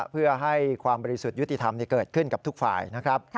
เพื่อให้ความบริสุทธิ์ยุติธรรมเกิดขึ้นกับทุกฝ่ายนะครับ